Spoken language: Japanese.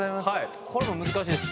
これも難しいです。